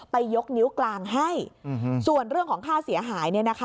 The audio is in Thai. ยกนิ้วกลางให้ส่วนเรื่องของค่าเสียหาย